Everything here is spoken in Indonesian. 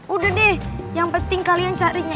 udah deh yang penting kalian carinya